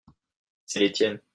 C’est les tiennes.